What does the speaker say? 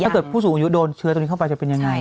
ถ้าเกิดผู้สูงอายุโดนเชื้อตรงนี้เข้าไปจะเป็นยังไง